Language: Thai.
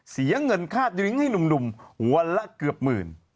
เสียเงินค่าดริ้งให้หนุ่มวันละเกือบหมื่น